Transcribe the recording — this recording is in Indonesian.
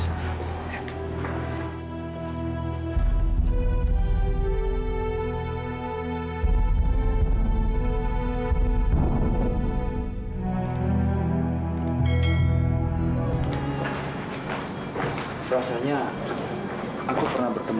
tidak saya sudah sampai